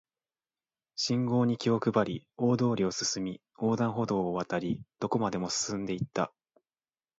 信号に気を配り、大通りを進み、横断歩道を渡り、どこまでも進んで行った